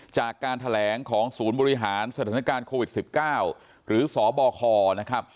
จากการแถลงของศูนย์บริหารสถานการณ์โควิด๑๙หรือสบคนะครับ